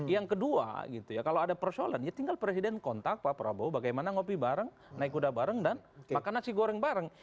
yang kedua gitu ya kalau ada persoalan ya tinggal presiden kontak pak prabowo bagaimana ngopi bareng naik kuda bareng dan makan nasi goreng bareng